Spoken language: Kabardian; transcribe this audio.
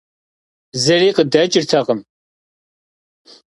Zıri khıdeç'ırtekhım.